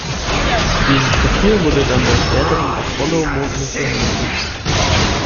Dieses Papier wurde dann bei späteren Apollo-Mondmissionen mitgeführt.